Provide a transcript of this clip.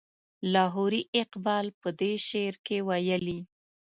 لاهوري اقبال په دې شعر کې ویلي.